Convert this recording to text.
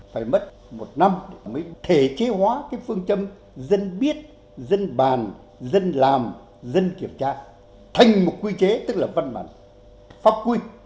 phải mất một năm mới thể chế hóa cái phương châm dân biết dân bàn dân làm dân kiểm tra thành một quy chế tức là văn bản pháp quy